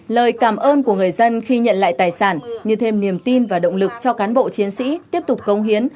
lời cảm ơn của người dân khi nhận lại tài sản như thêm niềm tin và động lực cho cán bộ chiến sĩ tiếp tục công hiến